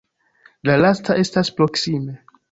La lasta estas proksime.